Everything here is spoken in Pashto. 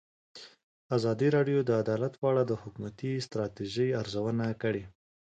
ازادي راډیو د عدالت په اړه د حکومتي ستراتیژۍ ارزونه کړې.